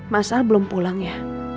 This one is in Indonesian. mas al belum pulang ya